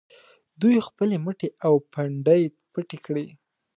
دوی خپلې مټې او پنډۍ پټې کړي.